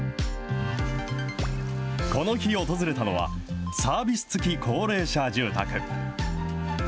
この日訪れたのは、サービス付き高齢者住宅。